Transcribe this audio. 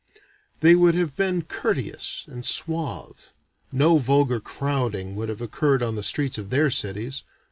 They would have been courteous and suave. No vulgar crowding would have occurred on the streets of their cities.